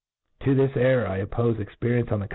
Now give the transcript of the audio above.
To this error I oppofe ex perience of the.